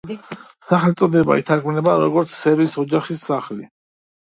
სახელწოდება ითარგმნება როგორც „სერეს ოჯახის სახლი“.